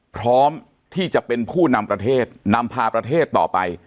พร้อมที่จะเป็นผู้นำประเทศนำพาประเทศต่อไป